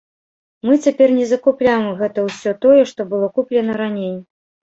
Мы цяпер не закупляем, гэта ўсё тое, што было куплена раней.